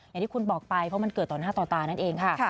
อย่างที่คุณบอกไปเพราะมันเกิดต่อหน้าต่อตานั่นเองค่ะ